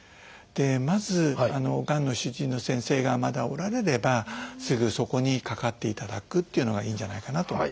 まずがんの主治医の先生がまだおられればすぐそこにかかっていただくっていうのがいいんじゃないかなと。